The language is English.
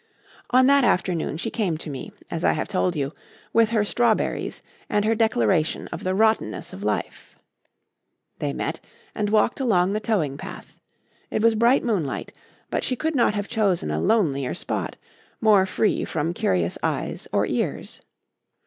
On that afternoon she came to me, as I have told you, with her strawberries and her declaration of the rottenness of life. They met and walked along the towing path. It was bright moonlight, but she could not have chosen a lonelier spot, more free from curious eyes or ears.